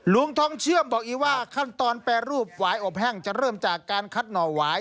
ลุงทองเชื่อมบอกอีกว่าขั้นตอนแปรรูปหวายอบแห้งจะเริ่มจากการคัดหน่อหวาย